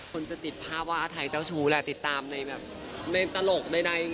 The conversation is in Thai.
คนจะติดภาพว่าอาทัยเจ้าชู้แหละติดตามในแบบในตลกใน